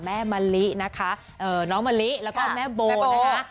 แม่มะลินะคะเอ่อน้องมะลิแล้วก็แม่โบนะฮะ